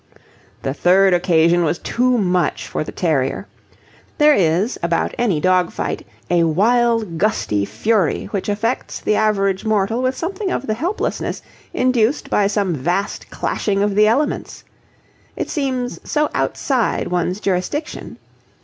The third occasion was too much for the terrier. There is about any dog fight a wild, gusty fury which affects the average mortal with something of the helplessness induced by some vast clashing of the elements. It seems so outside one's jurisdiction.